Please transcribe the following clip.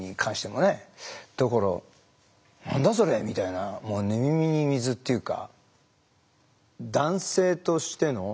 だから「何だそれ？」みたいな「寝耳に水」というか。